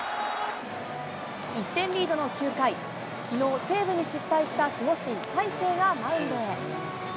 １点リードの９回、きのう、セーブに失敗した守護神、大勢がマウンドへ。